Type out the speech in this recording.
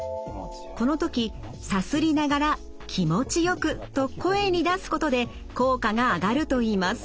この時さすりながら「気持ちよく」と声に出すことで効果が上がるといいます。